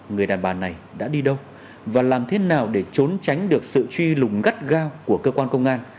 người đàn bà này đã đi đâu và làm thế nào để trốn tránh được sự truy lùng gắt gao của cơ quan công an